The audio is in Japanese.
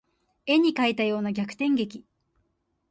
絵に描いたような逆転劇